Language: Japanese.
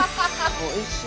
おいしい。